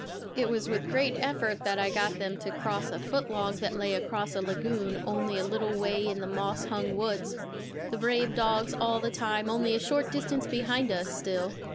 It was with great effort that I got them to cross a foot log that lay across a lagoon only a little way in the moss hung woods, the brave dogs all the time only a short distance behind us still.